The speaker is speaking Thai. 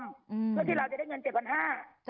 เพื่อที่เราจะได้เงินเจ็ดวันห้า